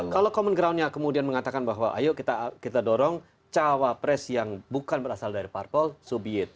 kalau common groundnya kemudian mengatakan bahwa ayo kita dorong cawa pres yang bukan berasal dari parpol so be it